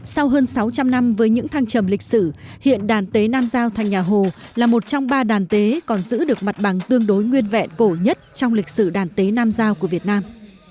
sau hơn sáu trăm linh năm với những thăng trầm lịch sử hiện đàn tế nam giao thành nhà hồ là một trong ba đàn tế còn giữ được mặt bằng tương đối nguyên vẹn cổ nhất trong lịch sử đàn tế nam giao của việt nam